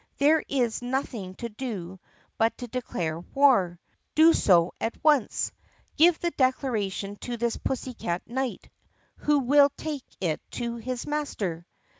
There is nothing to do but to declare war. Do so at once! Give the declaration to this pussycat knight, who will take it to his master."